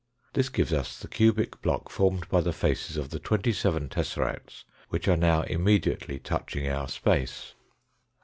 This gives us the cubic block formed by the faces of the twenty seven tesseracts which are now immediately touching our space.